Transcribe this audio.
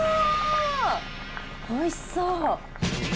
おいしそう。